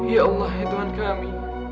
ya allah ya tuhan kami